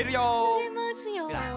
ゆれますよ。